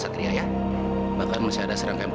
terima kasih tuhan